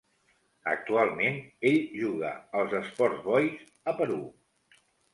Actualment ell juga als Sport Boys a Perú.